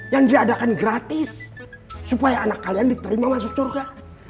yang diadakan gratis supaya anak kalian diterima masuk surga